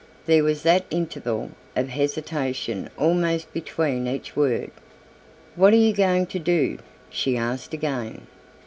There was that interval of hesitation almost between each word. "What are you going to do?" she asked again.